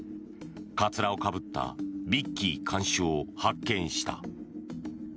かつらをかぶったビッキー看守を発見した。